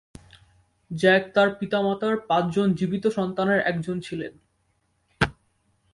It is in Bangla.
জ্যাক তার পিতামাতা পাঁচজন জীবিত সন্তানের একজন ছিলেন।